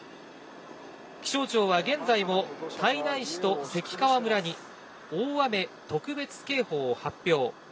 気象庁は現在も胎内市と関川村に大雨特別警報を発表。